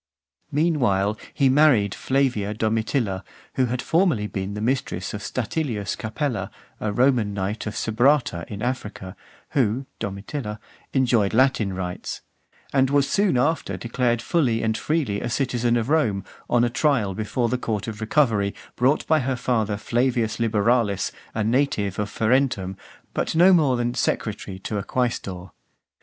III. Meanwhile, he married Flavia Domitilla, who had formerly been the mistress of Statilius Capella, a Roman knight of Sabrata in Africa, who [Domitilla] enjoyed Latin rights; and was soon after declared fully and freely a citizen of Rome, on a trial before the court of Recovery, brought by her father Flavius Liberalis, a native of Ferentum, but no more than secretary to a quaestor.